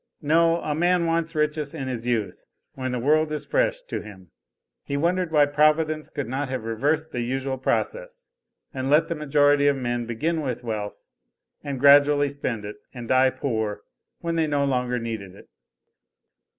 No, a man wants riches in his youth, when the world is fresh to him. He wondered why Providence could not have reversed the usual process, and let the majority of men begin with wealth and gradually spend it, and die poor when they no longer needed it.